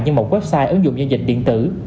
như một website ứng dụng giao dịch điện tử